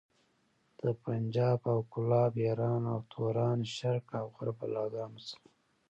د پنجاب او کولاب، ايران او توران، شرق او غرب بلاګانو څخه.